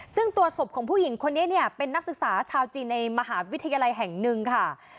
ซึ่งตัวศพของผู้หญิงคนนี้เนี่ยเป็นนักศึกษาชาวจีนในมหาวิทยาลัยแห่งหนึ่งค่ะ